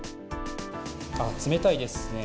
冷たいですね。